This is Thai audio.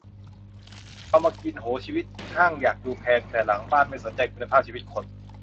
เอามากิน โห ชีวิต ห้างอยากดูแพง แต่หลังบ้านไม่สนใจคุณภาพชีวิตคน